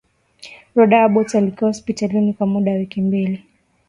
roda abbott alikaa hospitalini kwa muda wa wiki mbili